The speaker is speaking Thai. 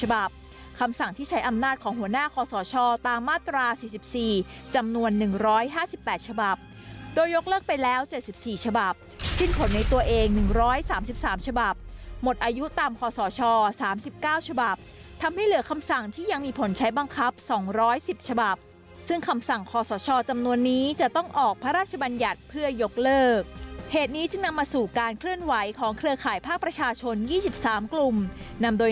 หาวัฒนธรรมหาวัฒนธรรมหาวัฒนธรรมหาวัฒนธรรมหาวัฒนธรรมหาวัฒนธรรมหาวัฒนธรรมหาวัฒนธรรมหาวัฒนธรรมหาวัฒนธรรมหาวัฒนธรรมหาวัฒนธรรมหาวัฒนธรรมหาวัฒนธรรมหาวัฒนธรรมหาวัฒนธรรมหาวัฒนธรรมหาวัฒนธรรมหาวั